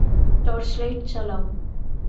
Torchlight চালাও।